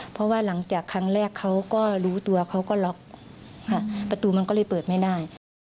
เพราะว่าหลังจากครั้งแรกเขาก็รู้ตัวเขาก็ล็อกประตูมันก็เลยเปิดไม่ได้